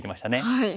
はい。